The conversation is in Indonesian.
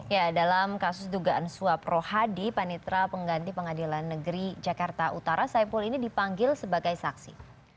ya dalam kasus dugaan suap rohadi panitra pengganti pengadilan negeri jakarta utara saipul ini dipanggil sebagai saksi